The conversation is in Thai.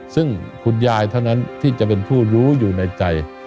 ซึ่งคุณยายเท่านั้นที่จะเป็นผู้รู้อยู่ในใจ